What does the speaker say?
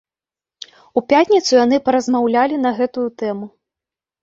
У пятніцу яны паразмаўлялі на гэтую тэму.